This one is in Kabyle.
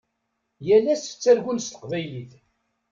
Yal ass ttargun s teqbaylit.